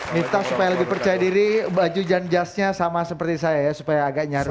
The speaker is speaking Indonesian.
miftah supaya lebih percaya diri baju janjasnya sama seperti saya ya supaya agak nyarang